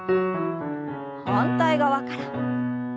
反対側から。